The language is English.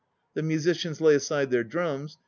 The musicians lay aside their drums.